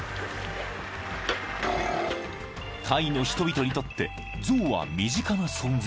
［タイの人々にとって象は身近な存在］